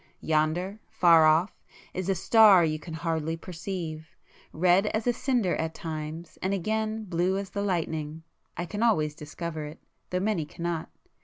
Yonder, far off, is a star you can hardly perceive; red as a cinder at times and again blue as the lightning,—I can always discover it, though many cannot.